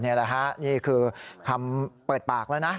นี่แหละฮะนี่คือคำเปิดปากแล้วนะ